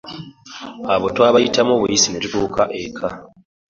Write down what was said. Abo twabayitamu buyisi ne tutuuka eka.